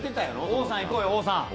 王さんいこうよ、王さん。